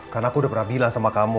karena aku udah pernah bilang sama kamu